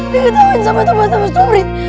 nek ketahuin sama tempat sama sobri